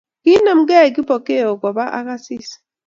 Kiinem kei Kipokeo Koba ak Asisi